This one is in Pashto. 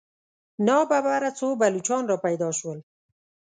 ناببره څو پایلوچان را پیدا شول.